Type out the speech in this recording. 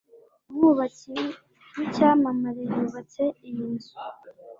umwubatsi w'icyamamare yubatse iyi nzu